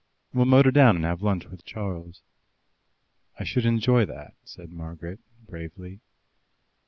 We'll motor down and have lunch with Charles." "I should enjoy that," said Margaret bravely.